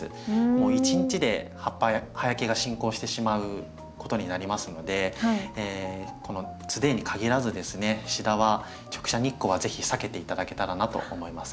もう１日で葉焼けが進行してしまうことになりますのでこのツデーにかぎらずですねシダは直射日光は是非避けて頂けたらなと思います。